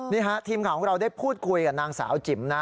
นี่ฮะทีมข่าวของเราได้พูดคุยกับนางสาวจิ๋มนะ